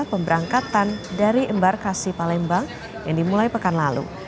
pemberangkatan dari embarkasi palembang yang dimulai pekan lalu